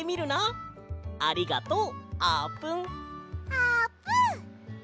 あーぷん！